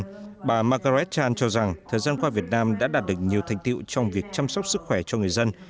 tuy nhiên bà margaret chan cho rằng thời gian qua việt nam đã đạt được nhiều thành tiệu trong việc chăm sóc sức khỏe cho người dân